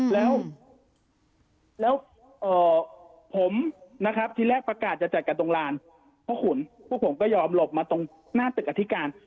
แล้วแล้วเอ่อผมนะครับที่แรกประกาศจะจัดการตรงรานเพราะคุณพวกผมก็ยอมหลบมาตรงหน้าตึกอธิการ